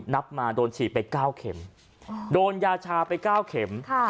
นับมาโดนฉีดไป๙เข็มโดนยาชาไป๙เข็ม